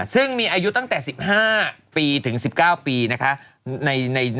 ซึ่งมีอายุตั้งแต่๑๕ปีถึง๑๙ปีนะคะ